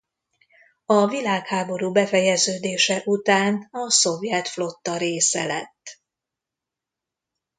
A világháború befejeződése után a szovjet flotta része lett.